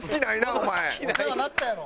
お世話になったやろ。